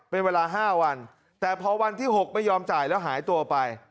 เป็นเวลา๕วันแต่พอวันที่๖ไม่ยอมจ่ายแล้วหายตัวไป